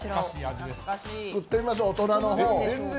作ってみましょう大人の方。